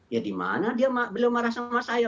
ya di mana beliau marah sama saya